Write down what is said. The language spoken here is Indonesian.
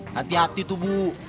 hati hati tuh bu